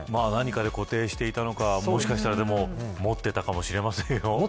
何かで固定していたのか持っていたのかもしれませんよ。